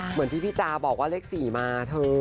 เหมือนที่พี่จาบอกว่าเลข๔มาเธอ